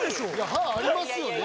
歯ありますよね？